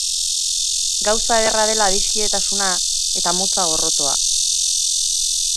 Gauza ederra dela adiskidetasuna, eta motza gorrotoa.